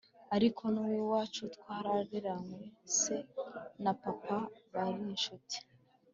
ariko nuwiwacu twarareranwe se na papa barinshuti